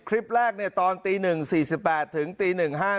คลิปแรกตอนตี๑๔๘ถึงตี๑๕